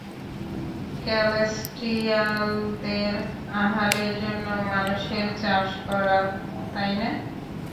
ক্যালেস্টিয়ালদের আহারের জন্য মানুষের চাষ করা, তাই না?